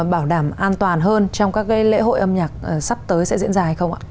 bảo đảm an toàn hơn trong các cái lễ hội âm nhạc sắp tới sẽ diễn ra hay không ạ